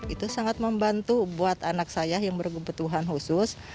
itu sangat membantu buat anak saya yang berkebutuhan khusus